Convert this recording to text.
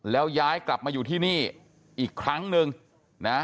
แล้วย้ายกลับมาอยู่ที่นี่อีกครั้งหนึ่งนะ